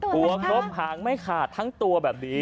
หัวครมหางไม่ขาดทั้งตัวแบบนี้